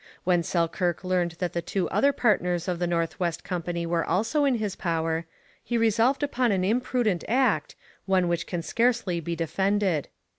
When Selkirk learned that the two other partners of the North West Company were also in his power, he resolved upon an imprudent act, one which can scarcely be defended.